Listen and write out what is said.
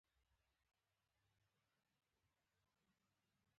آیا دوی لویې لارې او تونلونه نلري؟